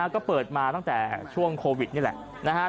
ก็เปิดมาตั้งแต่ช่วงโควิดนี่แหละนะครับ